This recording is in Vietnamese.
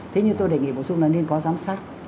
thế nhưng tôi đề nghị bổ sung là nên có giám sát